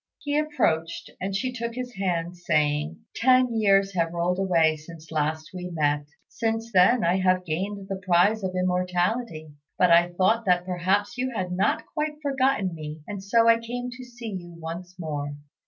He approached, and she took his hand, saying, "Ten years have rolled away since last we met. Since then I have gained the prize of immortality; but I thought that perhaps you had not quite forgotten me, and so I came to see you once more."